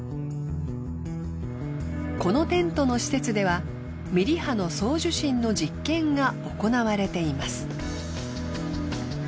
このテントの施設ではミリ波の送受信の実験が行われています。